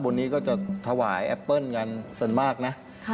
นี้ก็จะถวายแอปเปิ้ลกันส่วนมากนะ